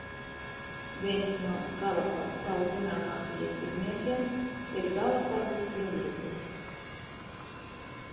Viens no Galapagu salu zināmākajiem dzīvniekiem ir Galapagu bruņurupucis.